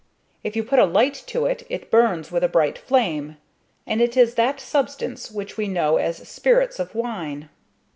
If you put a light to it, it burns with a bright flame, and it is that substance which we know as spirits of wine.